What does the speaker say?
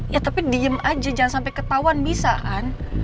ya tapi diem aja jangan sampe ketauan bisa an